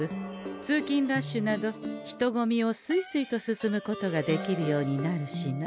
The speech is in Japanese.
通勤ラッシュなど人混みをすいすいと進むことができるようになる品。